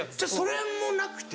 それもなくて。